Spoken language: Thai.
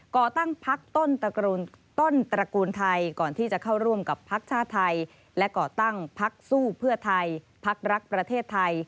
ก่อตั้งพักต้นตระกูลไทยก่อให้เข้าร่วมกับเรทราชน์ไทยและก่อตั้งสู้เพื่อไทยเทพที่รักประเทศไทย